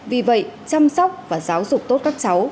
vì vậy chăm sóc và giáo dục tốt các cháu